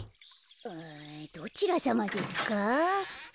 あどちらさまですか？